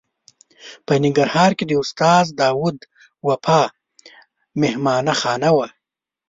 په ننګرهار کې د استاد داود وفا مهمانه خانه وه.